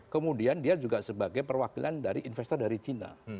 kemudian dia juga sebagai perwakilan dari investor dari cina